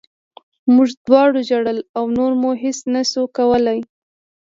موږ دواړو ژړل او نور مو هېڅ نه شول کولی